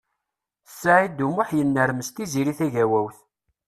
Saɛid U Muḥ yennermes Tiziri Tagawawt.